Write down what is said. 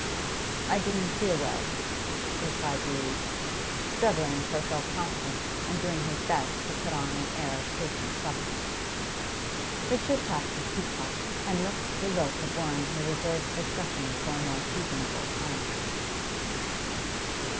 'I didn't feel well,' replied the youth, struggling for self confidence and doing his best to put on an air of patient suffering. Richard tapped his tea cup and looked the look of one who reserves discussion for a more seasonable time.